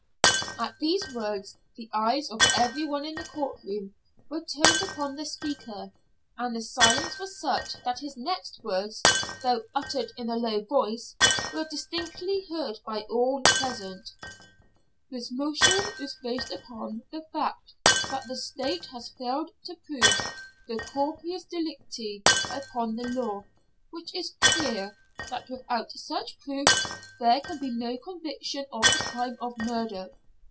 At these words the eyes of every one in the court room were turned upon the speaker, and the silence was such that his next words, though uttered in a low voice, were distinctly heard by all present. "This motion is based upon the fact that the State has failed to prove the corpus delicti, upon the law, which is clear, that without such proof there can be no conviction of the crime of murder.